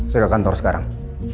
saya ke kantor sekarang